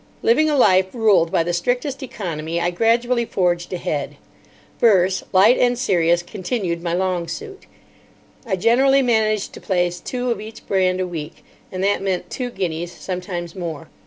Living a life ruled by the strictest economy, I gradually forged ahead. Verse, light and serious, continued my long suit. I generally managed to place two of each brand a week; and that meant two guineas, sometimes more.